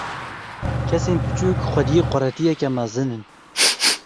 Kesên biçûk, xwediyê quretiyeke mezin in.